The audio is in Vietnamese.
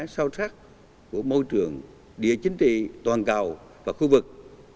sâu sắc của môi trường địa chính trị toàn cầu và khu vực